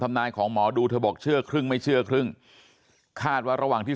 นายของหมอดูเธอบอกเชื่อครึ่งไม่เชื่อครึ่งคาดว่าระหว่างที่